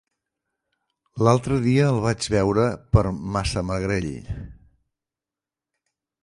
L'altre dia el vaig veure per Massamagrell.